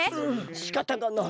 しかたがない。